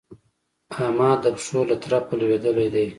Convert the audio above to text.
احمد د پښو له ترپه لوېدلی دی.